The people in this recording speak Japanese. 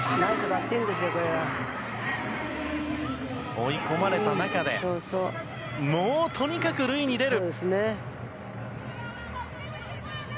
追い込まれた中でもう、とにかく塁に出る。